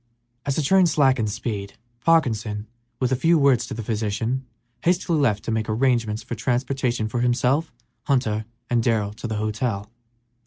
As the train slackened speed Parkinson, with a few words to the physician, hastily left to make arrangements for transportation for himself, Hunter, and Darrell to a hotel.